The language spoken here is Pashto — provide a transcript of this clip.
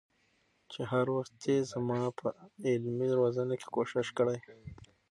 چې هر وخت يې زما په علمي روزنه کي کوښښ کړي